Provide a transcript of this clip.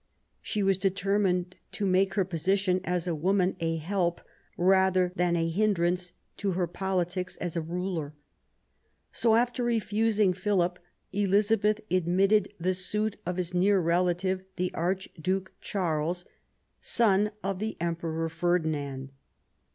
She was determined to make her position as a woman a help, rather than a hindrance, to her politics as a ruler. So, after refusing Philip, Elizabeth admitted the suit of his near relative, the Archduke Charles, son of the PROBLEMS OP THE RElQ]^. 57 Emperor Ferdinand.